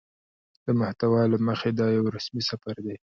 د محتوا له مخې دا يو رسمي سفر دى